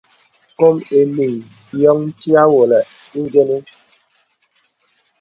Kòm enīŋ yóŋ ntí àwolə ingənə.